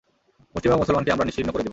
মুষ্টিমেয় মুসলমানকে আমরা নিশ্চিহ্ন করে দেব।